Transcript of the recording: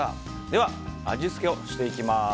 では、味付けをしていきます。